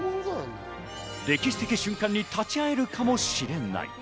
歴史的瞬間に立ち会えるかもしれない。